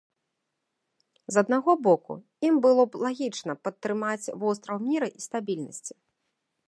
З аднаго боку, ім было б лагічна падтрымаць востраў міра і стабільнасці.